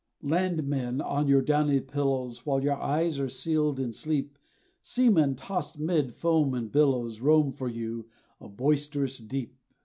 Landmen, on your downy pillows, While your eyes are sealed in sleep, Seamen, tossed 'mid foam and billows, Roam, for you, a boisterous deep.